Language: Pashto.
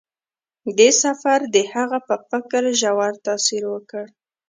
دې سفر د هغه په فکر ژور تاثیر وکړ.